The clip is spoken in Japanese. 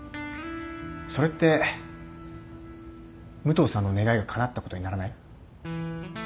それって武藤さんの願いがかなったことにならない？